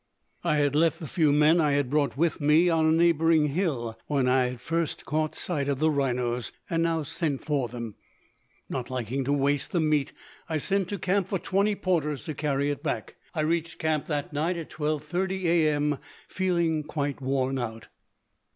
I had left the few men I had brought with me on a neighboring hill when I had first caught sight of the rhinos, and now sent for them. Not liking to waste the meat, I sent to camp for twenty porters to carry it back. I reached camp that night at 12:30 A. M., feeling quite worn out.